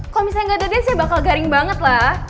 kalo misalnya gak ada dance ya bakal garing banget lah